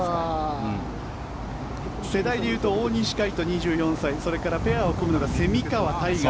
世代で言うと大西魁斗、２４歳それからペアを組むのが蝉川泰果